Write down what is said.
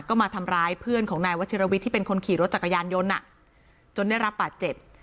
ก็มาทำร้ายเพื่อนของนายวัชิรวิทย์ที่เป็นคนขี่รถจักรยานยนต์จนได้รับบาดเจ็บ